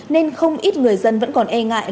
nên không ít người dân vẫn còn e ngại